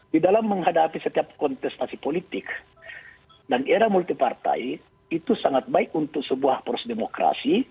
di dalam menghadapi setiap kontestasi politik dan era multipartai itu sangat baik untuk sebuah prosedemokrasi